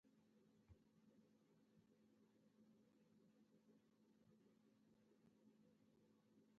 تعویضونه خپلې اغېزې د جګړې په جوله کې ښکاره کوي.